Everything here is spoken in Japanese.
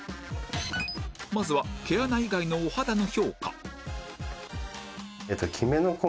まずは毛穴以外のお肌の評価